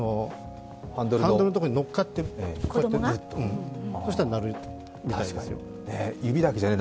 ハンドルのところに乗っかってそうしたら鳴るみたいですよ。